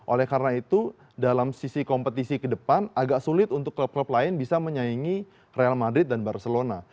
oleh karena itu dalam sisi kompetisi ke depan agak sulit untuk klub klub lain bisa menyaingi real madrid dan barcelona